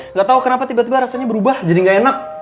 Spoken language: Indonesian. nggak tahu kenapa tiba tiba rasanya berubah jadi nggak enak